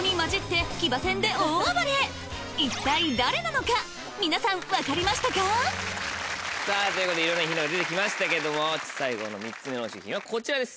そう皆さん分かりましたか？ということでいろいろなヒントが出て来ましたけども最後の３つ目の押収品はこちらです。